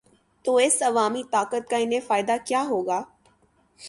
تو اس عوامی طاقت کا انہیں فائدہ کیا ہو گا؟